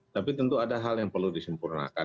tapi tentu ada hal yang perlu disempurnakan